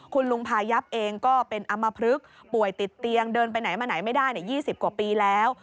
คุณลุงพายับเองก็เป็นอำมพลึกป่วยติดเตียงเดินไปไหนมาไหนไม่ได้๒๐กว่าปีแล้ว